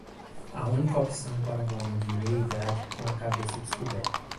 A única opção para um homem de meia-idade com a cabeça descoberta.